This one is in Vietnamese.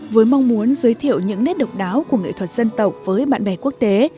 với mong muốn giới thiệu những nét độc đáo của nghệ thuật dân tộc với bạn bè quốc tế